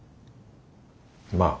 まあ。